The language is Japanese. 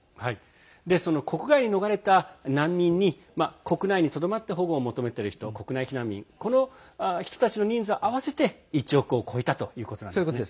その国外へ逃れた難民に国内にとどまって保護を求めている人国内避難民この人たちの人数を合わせて１億を超えたということなんですね。